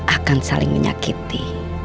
akan saling menyakiti